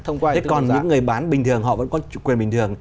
thế còn những người bán bình thường họ vẫn có quyền bình thường